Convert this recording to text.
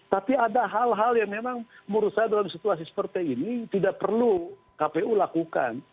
tapi ada hal hal yang memang menurut saya dalam situasi seperti ini tidak perlu kpu lakukan